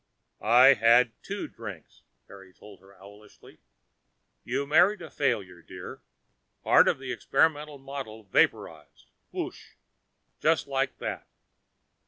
"I had two drinks," Harry told her owlishly. "You married a failure, dear. Part of the experimental model vaporized, wooosh, just like that.